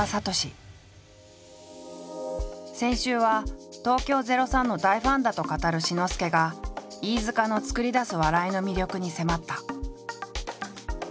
先週は東京０３の大ファンだと語る志の輔が飯塚の作り出す笑いの魅力に迫った。